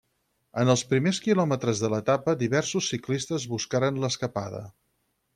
En els primers quilòmetres de l'etapa diversos ciclistes buscaren l'escapada.